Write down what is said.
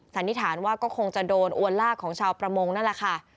สันนิษฐานว่าก็คงจะโดนอวนลากของชาวประมงนั่นแหละค่ะ